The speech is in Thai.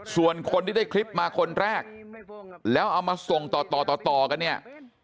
ส่วนคนที่ได้คลิปมาคนแรกแล้วเอามาส่งต่อต่อต่อกันเนี่ย